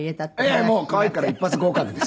ええもう可愛いから一発合格です。